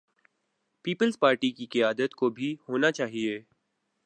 Peoples Party کی قیادت کو بھی ہونا چاہیے۔